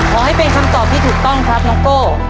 ขอให้เป็นคำตอบที่ถูกต้องครับน้องโก้